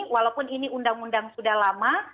walaupun ini undang undang sudah lama